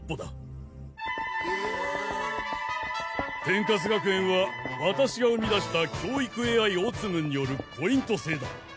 天カス学園はワタシが生み出した教育ＡＩオツムンによるポイント制だ。